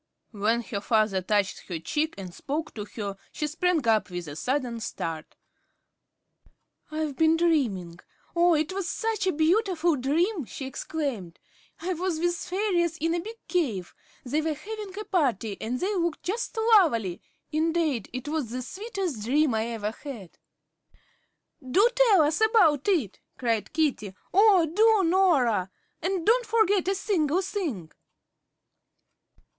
When her father touched her cheek and spoke to her, she sprang up with a sudden start. "I've been dreaming. Oh, it was such a beautiful dream!" she exclaimed. "I was with the fairies in a big cave. They were having a party, and they looked just lovely. Indade, it was the sweetest dream I ever had." "Do tell us about it," cried Katie. "Oh, do, Norah. And don't forget a single thing."